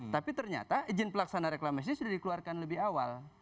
tapi ternyata izin pelaksana reklamasi sudah dikeluarkan lebih awal